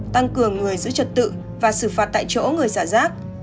tăng cường người giữ trật tự và xử phạt tại chỗ người xả rác